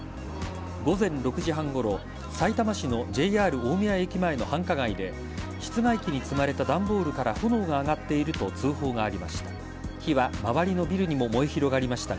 午前６時半ごろさいたま市のＪＲ大宮駅前の繁華街で室外機に積まれた段ボールから炎が上がっていると通報がありました。